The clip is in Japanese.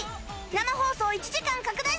生放送１時間拡大